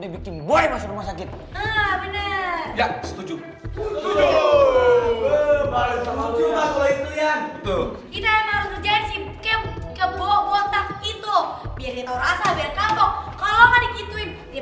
bikin boy masuk rumah sakit ya setuju setuju setuju makhluk itu yang itu itu biar